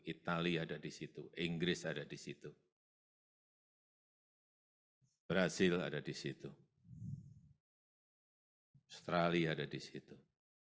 italia ada di situ inggris ada di situ brazil ada di situ ada australia ada di situ